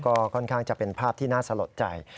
ก็ค่อนข้างจะเป็นภาพที่น่าสลดใจ